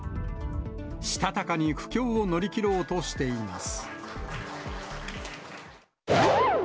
したたかに苦境を乗り切ろうとしています。